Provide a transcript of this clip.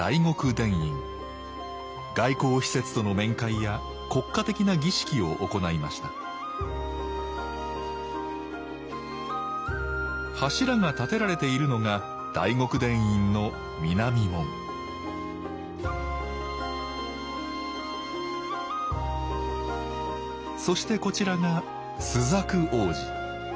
外交使節との面会や国家的な儀式を行いました柱が立てられているのが大極殿院の南門そしてこちらが朱雀大路。